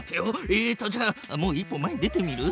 えっとじゃあもう一歩前に出てみる？